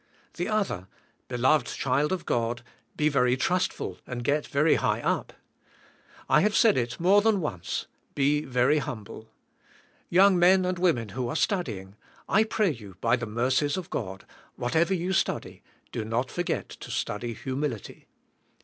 The other: Beloved child of God, be very trustful and get very high up. 1 have said it more than once, be very humble. Young men and young women who are studying, I pray you, by the mercies of God, whatever you study do not forget to study humility.